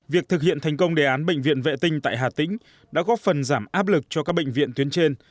việc thực hiện thành công đề án bệnh viện vệ tinh tại hà tĩnh đã góp phần giảm áp lực cho các bệnh viện tuyến trên